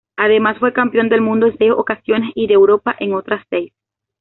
Además fue campeón del Mundo en seis ocasiones y de Europa en otras seis.